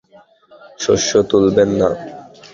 শস্য তুলবেন না!